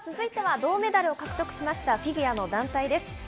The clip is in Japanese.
続いては銅メダルを獲得したフィギュアの団体です。